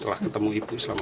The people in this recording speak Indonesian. selah ketemu ibu selama